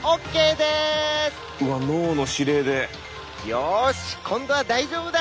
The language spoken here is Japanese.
よし今度は大丈夫だ！